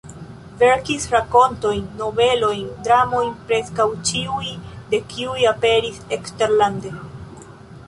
Verkis rakontojn, novelojn, dramojn, preskaŭ ĉiuj de kiuj aperis eksterlande.